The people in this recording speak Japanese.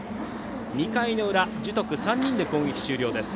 ２回の裏、樹徳は３人で攻撃終了です。